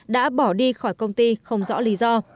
đã bỏ đi khỏi công ty không rõ lý do